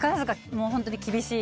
もう本当に厳しい。